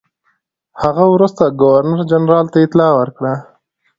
هغه وروسته ګورنرجنرال ته اطلاع ورکړه.